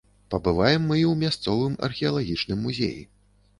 Пабываем мы і ў мясцовым археалагічным музеі.